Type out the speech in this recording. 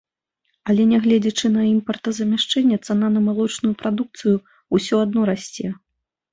Але, нягледзячы на імпартазамяшчэнне, цана на малочную прадукцыю ўсё адно расце.